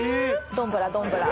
どんぶらどんぶら。